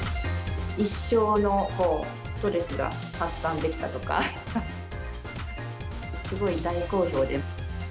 一生のストレスが発散できたとか、すごい大好評です。